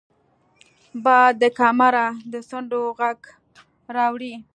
باد د کمره د څنډو غږ راوړي